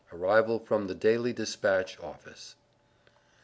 ARRIVAL FROM THE "DAILY DISPATCH" OFFICE.